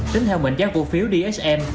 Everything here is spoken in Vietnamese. tính theo mệnh giá cổ phiếu dsm